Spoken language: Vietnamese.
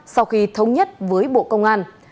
sau khi thống nhất với bộ công an